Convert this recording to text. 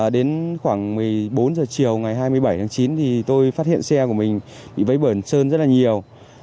đến khoảng một mươi bốn h chiều ngày hai mươi bảy tháng chín thì tôi phát hiện xe của mình bị vấy bẩn sơn rất là nhiều